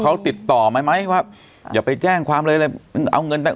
เขาติดต่อไหมไหมว่าอย่าไปแจ้งความเลยเลยเอาเงินไป